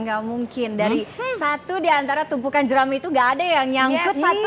gak mungkin dari satu diantara tumpukan jeram itu gak ada yang nyangkut satu